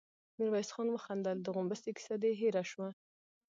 ميرويس خان وخندل: د غومبسې کيسه دې هېره شوه؟